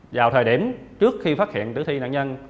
vào thời điểm trước khi phát hiện tử thi nạn nhân